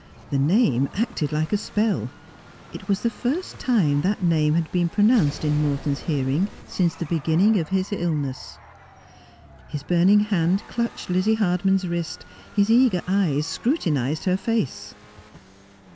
The name acted like a spell. It was the first time that name had been pronounced in Morton's hearing since the beginning of his illness. His burning hand clutched Lizzie Hardman's wrist, his eager eyes scrutinized her face.